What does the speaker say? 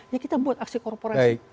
ya kita buat aksi korporasi